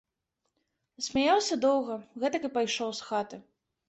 Смяяўся доўга, гэтак і пайшоў з хаты.